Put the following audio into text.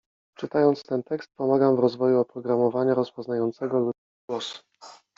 Czytając ten tekst pomagam w rozwoju oprogramowania rozpoznającego ludzki głos.